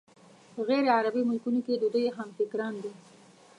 په غیرعربي ملکونو کې د دوی همفکران دي.